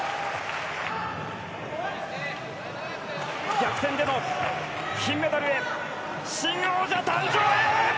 逆転への金メダルへ新王者誕生へ！